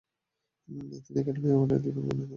তিনি অ্যাকাডেমি অ্যাওয়ার্ডে দুইবার মনোনয়নও পান।